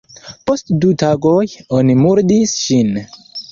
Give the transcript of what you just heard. Post du tagoj, oni murdis ŝin.